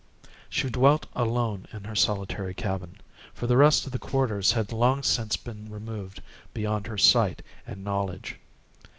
She dwelt alone in her solitary cabin, for the rest of the quarters had long since been removed beyond her sight and knowledge.